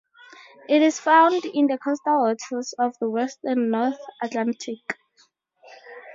It is found in the coastal waters of the western North Atlantic.